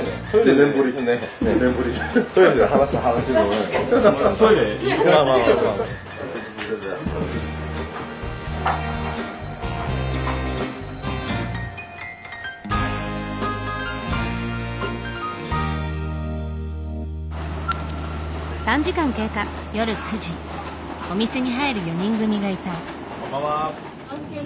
お店に入る４人組がいた。